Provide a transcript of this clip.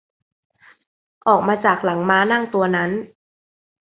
ออกมาจากหลังม้านั่งตัวนั้น